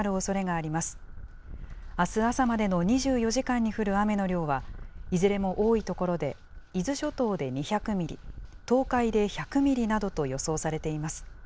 あす朝までの２４時間に降る雨の量は、いずれも多い所で、伊豆諸島で２００ミリ、東海で１００ミリなどと予想されています。